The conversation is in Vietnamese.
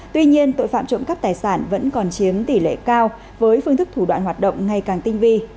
tuy nhiên tội phạm trộm cắp tài sản vẫn còn chiếm tỷ lệ cao với phương thức thủ đoạn hoạt động ngày càng tinh vi